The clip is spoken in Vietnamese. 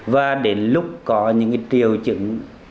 và đến lúc có những triều chứng